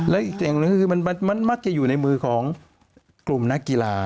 และอีกอย่างหนึ่งคือมันมักจะอยู่ในมือของกลุ่มนักกีฬา